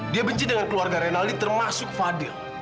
dia benci dengan keluarga renaldi termasuk fadil